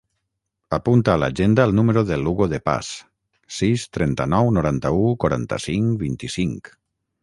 Apunta a l'agenda el número de l'Hugo De Paz: sis, trenta-nou, noranta-u, quaranta-cinc, vint-i-cinc.